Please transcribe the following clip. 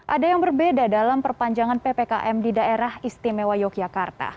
ada yang berbeda dalam perpanjangan ppkm di daerah istimewa yogyakarta